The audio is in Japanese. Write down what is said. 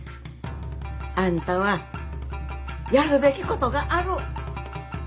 あんたはやるべきことがある。